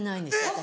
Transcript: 私。